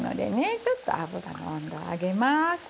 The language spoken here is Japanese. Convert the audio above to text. ちょっと油の温度を上げます。